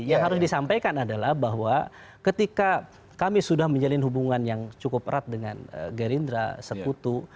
yang harus disampaikan adalah bahwa ketika kami sudah menjalin hubungan yang cukup erat dengan gerindra sekutu